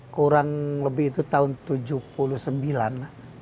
kurang lebih itu tahun tujuh puluh sembilan an